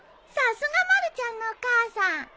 さすがまるちゃんのお母さん。